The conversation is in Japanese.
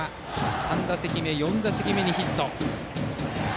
３打席目、４打席目にヒット。